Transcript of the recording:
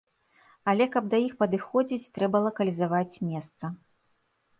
Але каб да іх падыходзіць, трэба лакалізаваць месца.